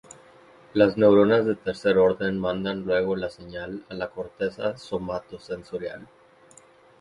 Las neuronas de tercer orden mandan luego la señal a la corteza somatosensorial.